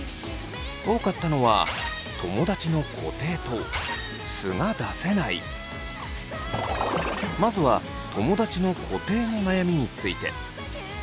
多かったのはまずは友だちの固定の悩みについて。